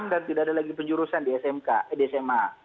dan tidak ada lagi penjurusan di sma